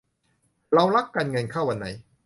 เรารักกัน เงินเข้าวันไหน